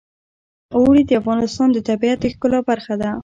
اوړي د افغانستان د طبیعت د ښکلا برخه ده.